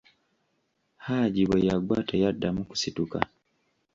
Haji bwe yagwa teyaddamu kusituka.